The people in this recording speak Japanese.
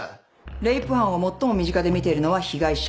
レイプ犯を最も身近で見ているのは被害者。